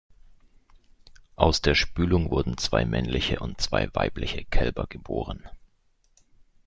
Aus der Spülung wurden zwei männliche und zwei weibliche Kälber geboren.